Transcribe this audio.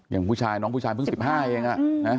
อย่างผู้ชายน้องผู้ชายเพิ่งสิบห้าเองอะ